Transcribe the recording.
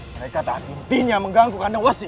mereka tak intinya mengganggu kandang wasih